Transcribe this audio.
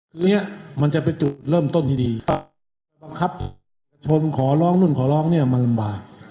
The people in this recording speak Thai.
คือเนี่ยมันจะเป็นจุดเริ่มต้นที่ดีเพราะบังคับเอกประชนขอร้องนู่นขอร้องเนี่ยมันลำบาก